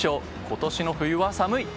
今年の冬は寒い！